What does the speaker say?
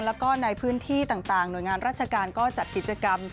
แล้วก็ในพื้นที่ต่างหน่วยงานราชการก็จัดกิจกรรม